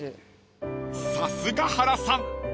［さすが原さん！］